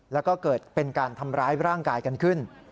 แล้วก็เกิดเป็นการทำร้ายร่างกายกันขึ้น